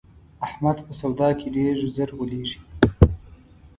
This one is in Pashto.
احمد په سودا کې ډېر زر غولېږي.